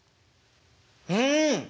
うん！